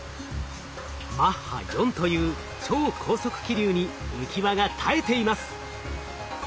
マッハ４という超高速気流に浮き輪が耐えています。